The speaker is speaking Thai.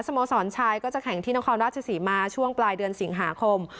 โมสรชายก็จะแข่งที่นครราชศรีมาช่วงปลายเดือนสิงหาคม